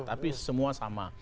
tapi semua sama